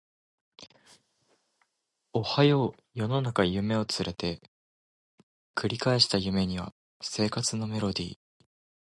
おはよう世の中夢を連れて繰り返した夢には生活のメロディ